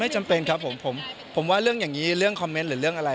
จำเป็นครับผมผมว่าเรื่องอย่างนี้เรื่องคอมเมนต์หรือเรื่องอะไร